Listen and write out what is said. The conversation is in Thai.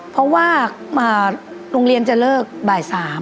เพราะว่าโรงเรียนจะเลิกบ่าย๓